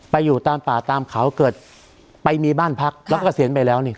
อยู่ตามป่าตามเขาเกิดไปมีบ้านพักแล้วก็เกษียณไปแล้วนี่